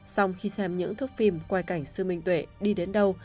xong khi xem những thước phim quay cảnh sư minh tuệ đi đến đâu